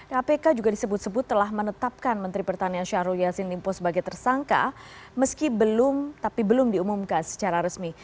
kpk juga disebut sebut telah menetapkan menteri pertanian syahrul yassin limpo sebagai tersangka meski belum tapi belum diumumkan secara resmi